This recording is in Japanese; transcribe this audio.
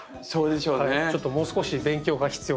ちょっともう少し勉強が必要かなと。